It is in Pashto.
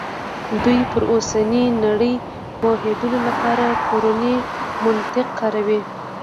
دوی پر اوسنۍ نړۍ پوهېدو لپاره پرونی منطق کاروي.